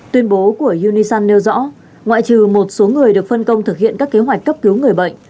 tuyên bố của unis nêu rõ ngoại trừ một số người được phân công thực hiện các kế hoạch cấp cứu người bệnh